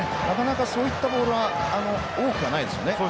なかなかそういったボールは多くはないですよね。